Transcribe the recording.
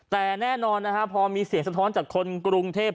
แต่แน่นอนนะฮะพอมีเสียงสะท้อนจากคนกรุงเทพ